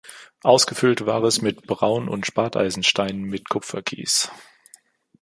Ausgefüllt war es mit Braun- und Spateisenstein mit Kupferkies.